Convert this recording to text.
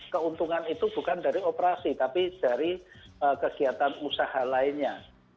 keuntungan itu bukan dari operasi tapi dari kegiatan usaha lainnya